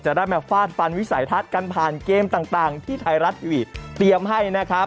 ได้มาฟาดฟันวิสัยทัศน์กันผ่านเกมต่างที่ไทยรัฐทีวีเตรียมให้นะครับ